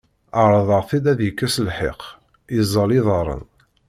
Ɛerḍeɣ-t-id ad yekkes lxiq, yeẓẓel iḍarren.